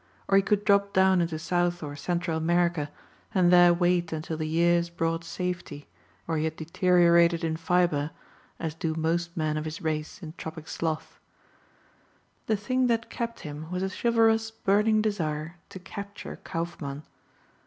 Or he could drop down into South or Central America and there wait until the years brought safety or he had deteriorated in fibre as do most men of his race in tropic sloth. The thing that kept him was a chivalrous, burning desire to capture Kaufmann.